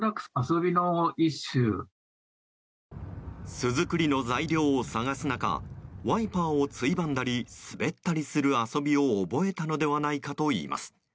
巣作りの材料を探す中ワイパーをついばんだり滑ったりする遊びを覚えたのではないかといいます。